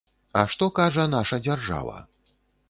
А што кажа наша дзяржава?